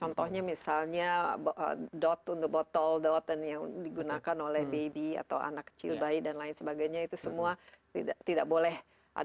contohnya misalnya dot untuk botol dot dan yang digunakan oleh baby atau anak kecil bayi dan lain sebagainya itu semua tidak boleh ada